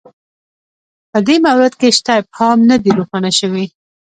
په دې مورد کې شته ابهام نه دی روښانه شوی